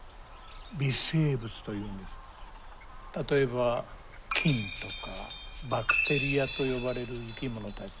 例えば菌とかバクテリアと呼ばれる生き物たちですね。